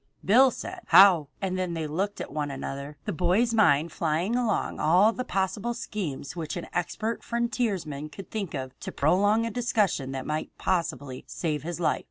Bill said: "How?" and then they looked at one another, the boy's mind flying along all the possible schemes which an expert frontiersman could think of to prolong a discussion that might possibly save his life.